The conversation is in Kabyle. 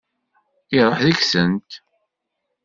Iṛuḥ deg-sent.